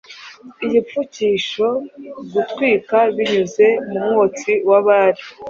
Igipfukishogutwika Binyuze mu mwotsi wa bale